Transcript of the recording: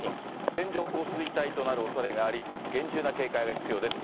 線状降水帯となるおそれがあり、厳重な警戒が必要です。